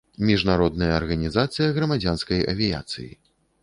Міжнародная арганізацыя грамадзянскай авіяцыі.